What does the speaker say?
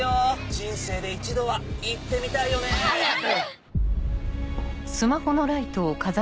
人生で一度は言ってみたいよね。早く！